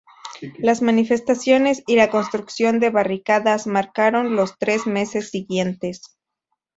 Las manifestaciones y la construcción de barricadas marcaron los tres meses siguientes.